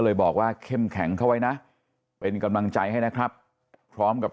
เลยบอกว่าเข้มแข็งเข้าไว้นะเป็นกำลังใจให้นะครับพร้อมกับ